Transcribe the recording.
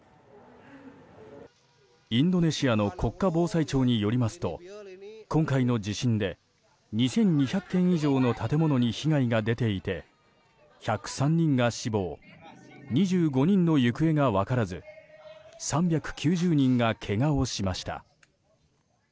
インドネシアの国家防災庁によりますと今回の地震で２２００軒以上の建物に被害が出ていて、１０３人が死亡２５人の行方が分からず３９０人がけがをしました。